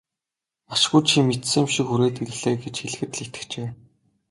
Ашгүй чи мэдсэн юм шиг хүрээд ирлээ гэж хэлэхэд л итгэжээ.